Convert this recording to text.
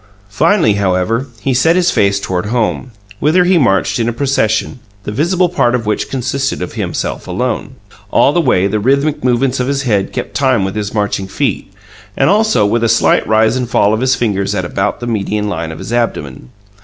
Finally, however, he set his face toward home, whither he marched in a procession, the visible part of which consisted of himself alone. All the way the rhythmic movements of his head kept time with his marching feet and, also, with a slight rise and fall of his fingers at about the median line of his abdomen.